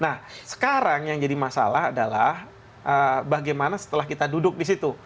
nah sekarang yang jadi masalah adalah bagaimana setelah kita duduk di situ